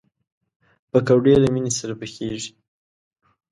پکورې له مینې سره پخېږي